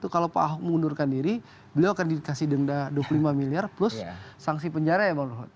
kalau pak ahok mengundurkan diri beliau akan dikasih denda dua puluh lima miliar plus sanksi penjara ya bang luhut